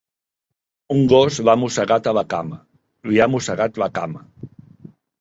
Un gos l'ha mossegat a la cama, li ha mossegat la cama.